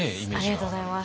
ありがとうございます。